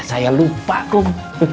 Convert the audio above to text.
saya lupa kum